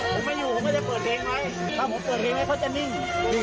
ผมไม่อยู่ผมก็จะเปิดเพลงไว้ถ้าผมเปิดเพลงให้เขาจะนิ่ง